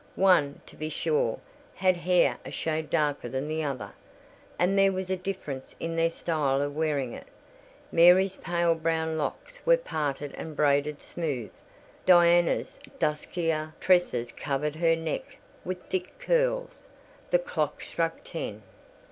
One, to be sure, had hair a shade darker than the other, and there was a difference in their style of wearing it; Mary's pale brown locks were parted and braided smooth: Diana's duskier tresses covered her neck with thick curls. The clock struck ten.